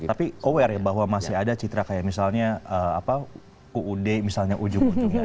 tapi aware ya bahwa masih ada citra kayak misalnya uud misalnya ujung ujungnya